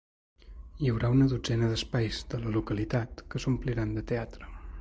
Hi haurà una dotzena d’espais de la localitat que s’ompliran de teatre.